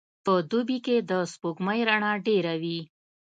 په دوبي کي د سپوږمۍ رڼا ډېره وي.